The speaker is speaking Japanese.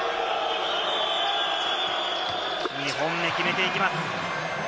２本目、決めていきます。